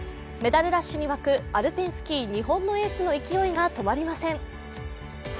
メダルラッシュに沸くアルペンスキー、日本のエースの勢いが止まりません。